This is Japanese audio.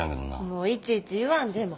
もういちいち言わんでええ。